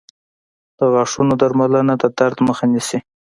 • د غاښونو درملنه د درد مخه نیسي.